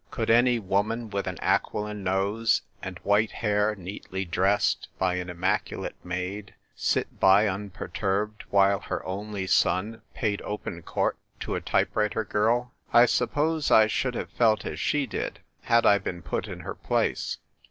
Could any woman with an aquiline nose, and white hair neatly dressed by an immaculate maid, sit by unper turbed while her only son paid open court to a type writer girl ? I suppose I should have felt as she did, had I been put in her place.